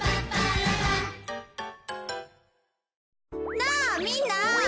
なあみんな！